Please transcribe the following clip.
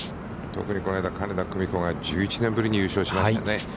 特にこの間、金田久美子が、１１年ぶりに優勝しましたね。